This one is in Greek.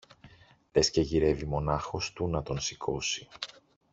Λες και γυρεύει μονάχος του να τον σηκώσει.